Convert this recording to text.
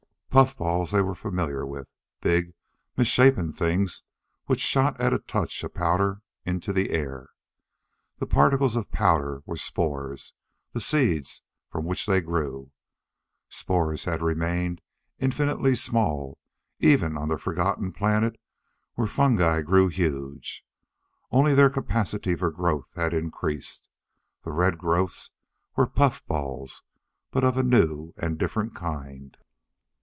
Puffballs they were familiar with big, misshapen things which shot at a touch a powder into the air. The particles of powder were spores the seed from which they grew. Spores had remained infinitely small even on the forgotten planet where fungi grew huge. Only their capacity for growth had increased. The red growths were puffballs, but of a new and different kind.